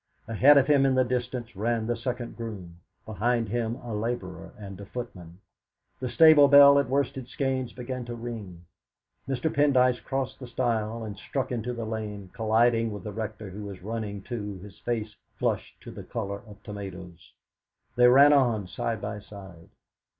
Ahead of him in the distance ran the second groom; behind him a labourer and a footman. The stable bell at Worsted Skeynes began to ring. Mr. Pendyce crossed the stile and struck into the lane, colliding with the Rector, who was running, too, his face flushed to the colour of tomatoes. They ran on, side by side.